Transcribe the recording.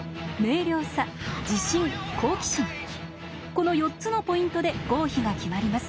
この４つのポイントで合否が決まります。